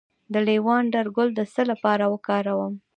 د لیوانډر ګل د څه لپاره وکاروم؟